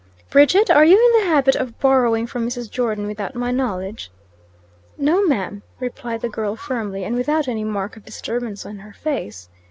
"Bridget, are you in the habit of borrowing from Mrs. Jordon without my knowledge?" "No, ma'am!" replied the girl firmly, and without any mark of disturbance in her face.